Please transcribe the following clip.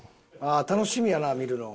楽しみやな見るの。